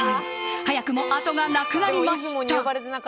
早くも後がなくなりました。